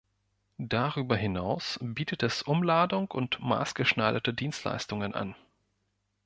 Darüber hinaus bietet es Umladung und maßgeschneiderte Dienstleistungen an.